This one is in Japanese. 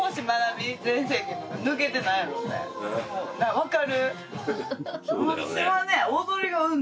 分かる？